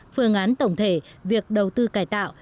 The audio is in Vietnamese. phương án tổng thể việc đầu tư cải tạo